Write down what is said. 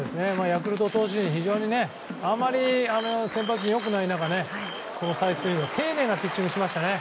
ヤクルト投手陣はあまり先発陣が良くない中、このサイスニード丁寧なピッチングをしましたね。